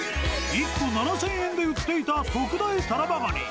１個７０００円で売っていた特大タラバガニ。